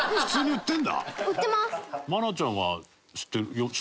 売ってます。